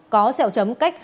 có sẹo chấm cách ba cm